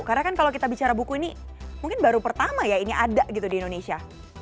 karena kan kalau kita bicara buku ini mungkin baru pertama ya ini ada gitu di indonesia